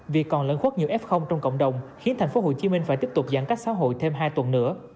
vì còn lẫn khuất nhiều f trong cộng đồng khiến thành phố hồ chí minh phải tiếp tục giãn cách xã hội thêm hai tuần nữa